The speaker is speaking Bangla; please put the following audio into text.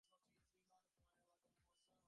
আপনার জানা উচিত যে, আমি নিষ্ঠুর পশু নই।